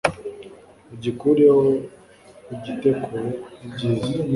ugikureho ugite kure. ibyiza